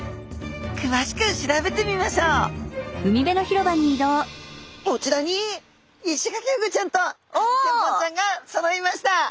くわしく調べてみましょうこちらにイシガキフグちゃんとハリセンボンちゃんがそろいました。